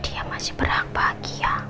dia masih berhak bahagia